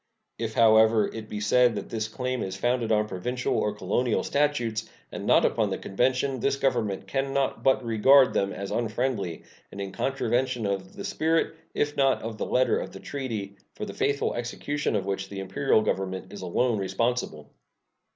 If, however, it be said that this claim is founded on provincial or colonial statutes, and not upon the convention, this Government can not but regard them as unfriendly, and in contravention of the spirit, if not of the letter, of the treaty, for the faithful execution of which the Imperial Government is alone responsible.